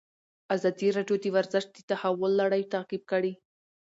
ازادي راډیو د ورزش د تحول لړۍ تعقیب کړې.